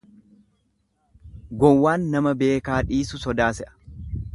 Gowwaan nama beekaa dhiisu sodaa se'a.